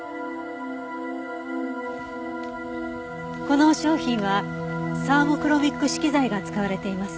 この商品はサーモクロミック色材が使われています。